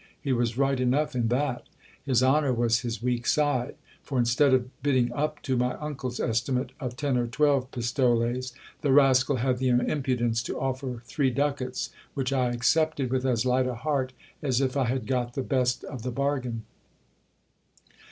He was right enough in that ! his honour was his weak side ! for instead of bidding up to my uncle's estimate of ten or twelve pistoles, the rascal had the impudence to offer three ducats, which I accepted with as light a heart as if I had got the best of the bargain.